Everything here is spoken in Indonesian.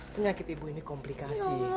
penyakit ibu ini komplikasi